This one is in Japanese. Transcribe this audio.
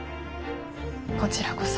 こちらこそ。